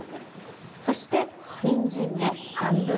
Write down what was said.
そしてにんじんも半分。